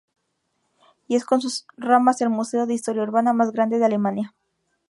Y es con sus ramas el museo de historia urbana más grande de Alemania.